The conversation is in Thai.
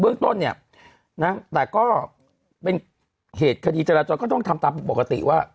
เรื่องต้นเนี่ยนะแต่ก็เป็นเหตุคดีจราจรก็ต้องทำตามปกติว่า